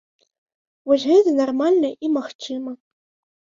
Вось гэта нармальна і магчыма.